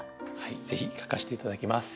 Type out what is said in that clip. ぜひ書かせて頂きます。